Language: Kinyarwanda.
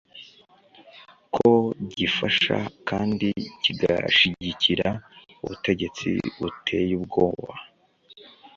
ko "gifasha kandi kigashigikira ubutegetsi buteye ubwoba"